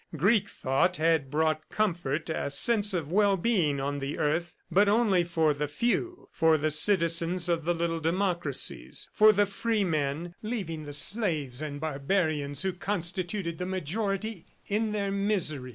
Greek thought had brought comfort, a sense of well being on the earth but only for the few, for the citizens of the little democracies, for the free men, leaving the slaves and barbarians who constituted the majority, in their misery.